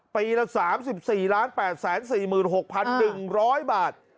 ปีละ๓๔๘๔๖๑๐๐บาท